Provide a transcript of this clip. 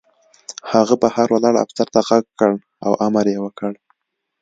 هغه بهر ولاړ افسر ته غږ کړ او امر یې وکړ